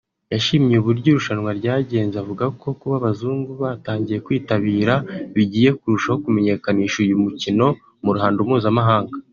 yashimye uburyo irushanwa ryagenze avuga ko kuba abazungu batangiye kwitabira bigiye kurushaho kumenyekanisha uyu mukino mu ruhando mpuzamahanga